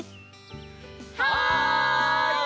はい！